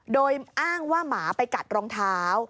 โดยอ้างว่าหมาไปกัดรองเท้า